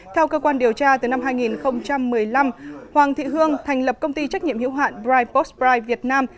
theo cơ quan điều tra từ năm hai nghìn một mươi năm hoàng thị hương thành lập công ty trách nhiệm hữu hạn bright box bright việt nam